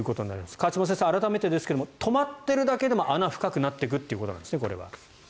河島先生、改めてですが止まっているだけでも穴が深くなっていくということですね。